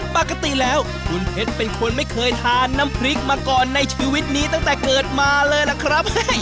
ปกติแล้วคุณเพชรเป็นคนไม่เคยทานน้ำพริกมาก่อนในชีวิตนี้ตั้งแต่เกิดมาเลยล่ะครับ